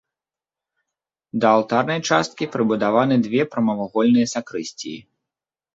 Да алтарнай часткі прыбудаваныя две прамавугольныя сакрысціі.